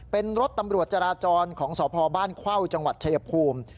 เป็นรถตำรวจจราจรของสพบ้านเข้าจังหวัดชายภูมิ